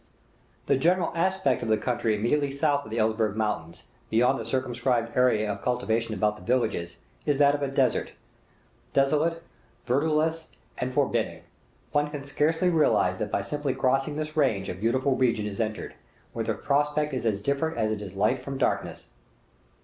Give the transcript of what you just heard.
The general aspect of the country immediately south of the Elburz Mountains, beyond the circumscribed area of cultivation about the villages, is that of a desert, desolate, verdureless, and forbidding. One can scarcely realize that by simply crossing this range a beautiful region is entered, where the prospect is as different as is light from darkness.